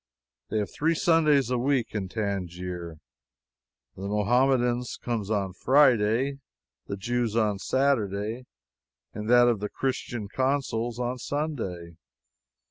They have three Sundays a week in Tangier. The Muhammadans' comes on Friday, the Jews' on Saturday, and that of the Christian Consuls on Sunday.